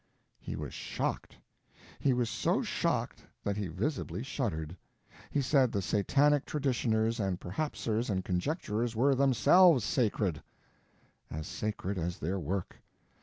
He was shocked. He was so shocked that he visibly shuddered. He said the Satanic Traditioners and Perhapsers and Conjecturers were themselves sacred! As sacred as their work.